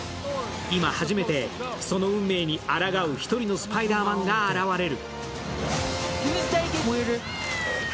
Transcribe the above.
今、初めてその運命にあらがう一人のスパイダーマンが現れる。